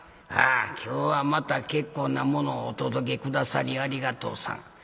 ああ今日はまた結構なものをお届け下さりありがとうさん。